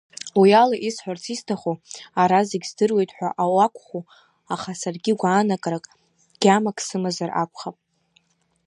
Уиала исҳәарц исҭаху, ара зегьы здыруеит ҳәа ауакәху, аха саргьы гәаанагарак, гьамак сымазар акәхап.